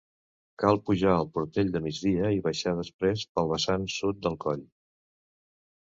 Cal pujar al Portell de Migdia i baixar després pel vessant sud del coll.